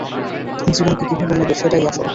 তুমি জীবনকে কীভাবে নেবে, সেটাই আসল।